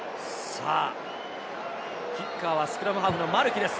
キッカーはスクラムハーフのマルキです。